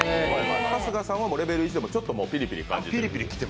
春日さんはレベル１でもちょっとピリピリ感じる。